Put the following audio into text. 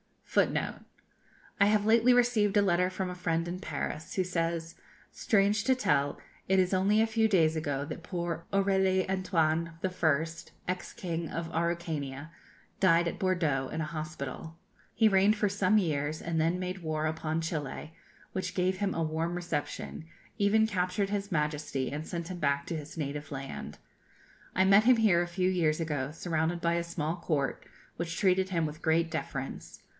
[Footnote 6: I have lately received a letter from a friend in Paris, who says: 'Strange to tell, it is only a few days ago that poor Orélie Antoine I., ex King of Araucania, died at Bordeaux, in a hospital. He reigned for some years, and then made war upon Chili, which gave him a warm reception; even captured his Majesty and sent him back to his native land. I met him here a few years ago, surrounded by a small court, which treated him with great deference.